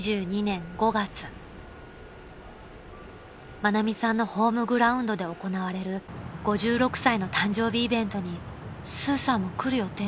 ［愛美さんのホームグラウンドで行われる５６歳の誕生日イベントにスーさんも来る予定なのですが］